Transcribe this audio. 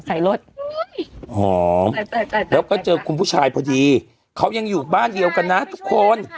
รถหอมแล้วก็เจอคุณผู้ชายพอดีเขายังอยู่บ้านเดียวกันนะทุกคน